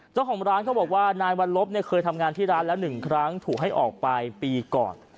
เจ้าของร้านเขาบอกว่านายวัลลบเนี่ยเคยทำงานที่ร้านแล้ว๑ครั้งถูกให้ออกไปปีก่อน